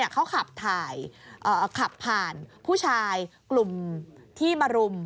เขาขับถ่ายขับผ่านผู้ชายกลุ่มที่มารุม